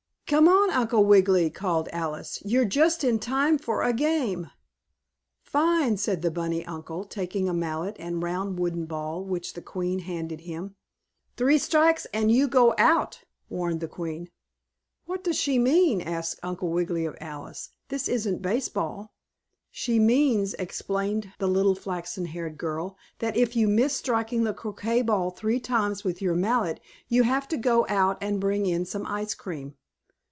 "Come on, Uncle Wiggily!" called Alice. "You're just in time for the game." "Fine!" said the bunny uncle, taking a mallet and round wooden ball which the Queen handed him. "Three strikes and you go out!" warned the Queen. "What does she mean?" asked Uncle Wiggily of Alice. "This isn't baseball." "She means," explained the little flaxen haired girl, "that if you miss striking the croquet ball three times with your mallet you have to go out and bring in some ice cream."